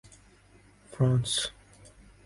France